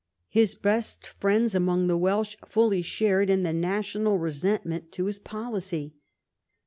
His best friends among the Welsh fully shared in the national resentment to his policy.